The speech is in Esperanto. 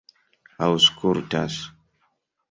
aŭskultas